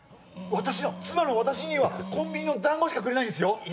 私は妻の私にはコンビニのだんごしかくれないんですよ